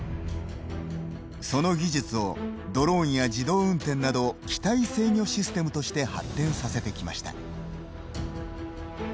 その技術をドローンや自動運転など機体制御システムとして発展させてきました。